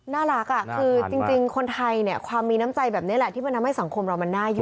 น่ารักคือจริงคนไทยเนี่ยความมีน้ำใจแบบนี้แหละที่มันทำให้สังคมเรามันน่าอยู่